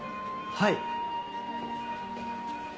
はい。